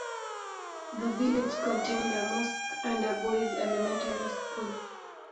The village contained a mosque and a boys' elementary school.